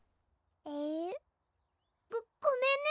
えるぅ？ごごめんね